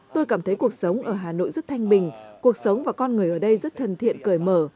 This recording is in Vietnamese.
tôi cảm thấy cuộc sống ở hà nội rất thanh bình cuộc sống và con người ở đây rất thân thiện cởi mở